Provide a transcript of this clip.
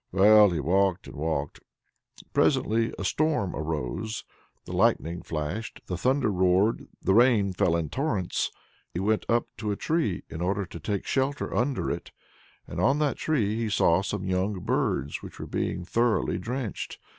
Well, he walked and walked. Presently a storm arose; the lightning flashed, the thunder roared, the rain fell in torrents. He went up to a tree in order to take shelter under it, and on that tree he saw some young birds which were being thoroughly drenched.